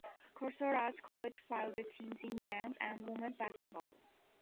Crossroads College fielded teams in men's and women's basketball.